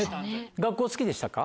学校好きでしたか？